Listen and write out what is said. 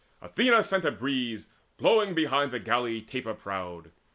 Athena sent a breeze Blowing behind the galley taper prowed.